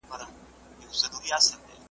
زما قلا به نه وي ستا په زړه کي به آباد سمه `